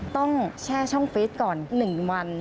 ต้องแช่ช่องฟิตก่อน๑วัน